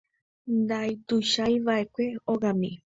Ndatuichaiva'ekue hogami.